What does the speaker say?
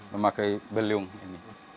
memakai beliong ini